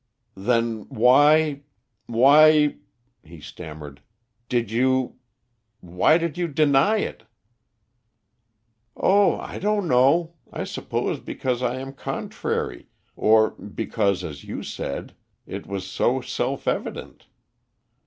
"Then why why," he stammered, "did you why did you deny it?" "Oh, I don't know. I suppose because I am contrary, or because, as you said, it was so self evident.